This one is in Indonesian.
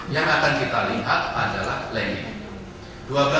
yang akan kita lihat adalah planning